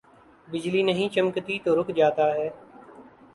بجلی نہیں چمکتی تو رک جاتا ہے۔